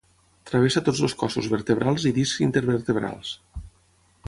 Travessa tots els cossos vertebrals i discs intervertebrals.